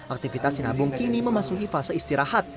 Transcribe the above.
aktivitas sinabung kini memasuki fase istirahat